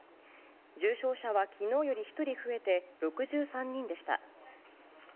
重症者は昨日より１人増えて６３人でした。